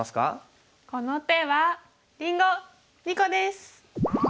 この手はりんご２個です！